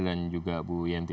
dan juga bu yanti